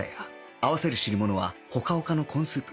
合わせる汁物はホカホカのコーンスープ